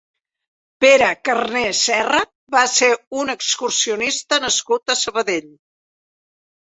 Pere Carné Serra va ser un excursionista nascut a Sabadell.